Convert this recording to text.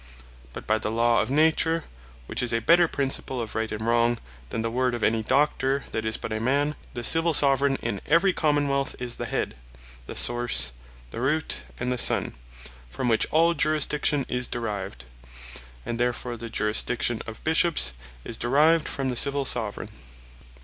But by the Law of Nature (which is a better Principle of Right and Wrong, than the word of any Doctor that is but a man) the Civill Soveraign in every Common wealth, is the Head, the Source, the Root, and the Sun, from which all Jurisdiction is derived. And therefore, the Jurisdiction of Bishops, is derived from the Civill Soveraign.